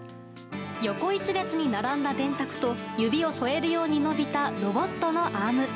横１列に並んだ電卓と指を添えるように伸びたロボットのアーム。